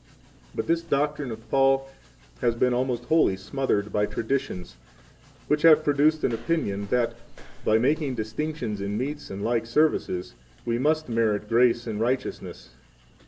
But this doctrine of Paul has been almost wholly smothered by traditions, which have produced an opinion that, by making distinctions in meats and like services, 7 we must merit grace and righteousness.